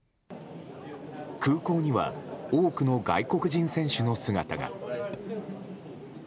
空港には多くの外国人選手の姿が。